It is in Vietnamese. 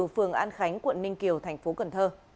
phường an khánh quận ninh kiều tp hcm